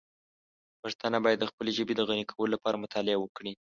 پښتانه باید د خپلې ژبې د غني کولو لپاره مطالعه وکړي.